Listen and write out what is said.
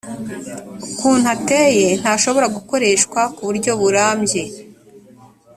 ukuntu ateye ntashobora gukoreshwa ku buryo burambye